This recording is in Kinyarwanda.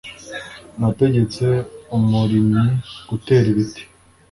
nategetse umurimyi gutera ibiti